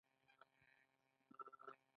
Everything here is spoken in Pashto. هغوی د تعلیم دروازې تړلې پرېښودې.